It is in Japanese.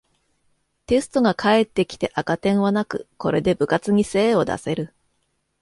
テストが返ってきて赤点はなく、これで部活に精を出せる